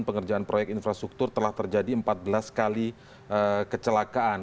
pengerjaan proyek infrastruktur telah terjadi empat belas kali kecelakaan